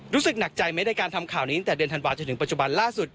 รู้สึกหนักใจไหมในการทำข่าวนี้ตั้งแต่เดือนธันวาจนถึงปัจจุบันล่าสุด